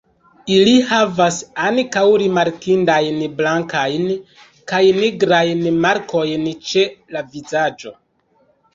Ili havas ankaŭ rimarkindajn blankajn kaj nigrajn markojn ĉe la vizaĝo.